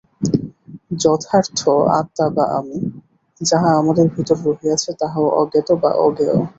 যথার্থ আত্মা বা আমি, যাহা আমাদের ভিতরে রহিয়াছে, তাহাও অজ্ঞাত বা অজ্ঞেয়।